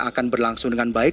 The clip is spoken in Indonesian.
akan berlangsung dengan baik